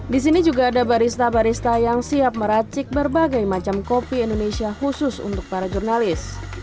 di sini juga ada barista barista yang siap meracik berbagai macam kopi indonesia khusus untuk para jurnalis